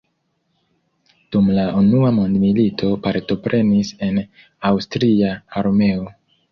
Dum la unua mondmilito partoprenis en aŭstria armeo.